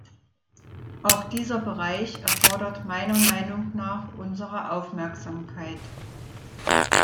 Auch dieser Bereich erfordert meiner Meinung nach unsere Aufmerksamkeit.